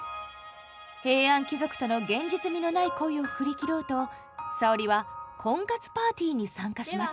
平安貴族との現実味のない恋を振り切ろうと沙織は婚活パーティーに参加します。